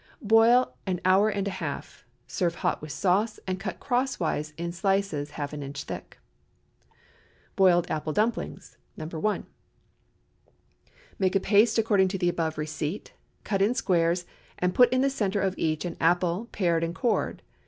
Boil an hour and a half. Serve hot with sauce, and cut crosswise in slices half an inch thick. BOILED APPLE DUMPLINGS. (No. 1.) ✠ Make a paste according to the above receipt; cut in squares, and put in the centre of each an apple, pared and cored.